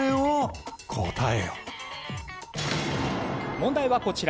問題はこちら。